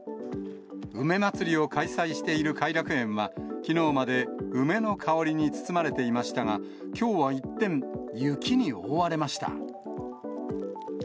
梅まつりを開催している偕楽園は、きのうまで梅の香りに包まれていましたが、きょうは一転、雪に覆われました。